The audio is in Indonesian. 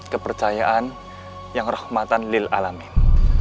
kepercayaan yang rahmatan lil'alamin